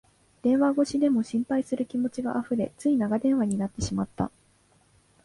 電話越しでも心配する気持ちがあふれ、つい長電話になってしまった